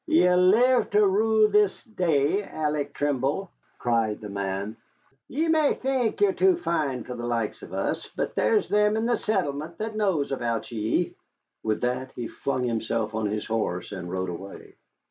"Ye'll live to rue this day, Alec Trimble," cried the man. "Ye may think ye're too fine for the likes of us, but there's them in the settlement that knows about ye." With that he flung himself on his horse, and rode away.